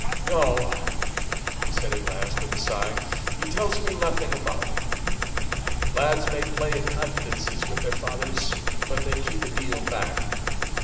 "No!" he said at last, with a sigh. "He tells me nothing about it. Lads may play at confidences with their fathers, but they keep a deal back."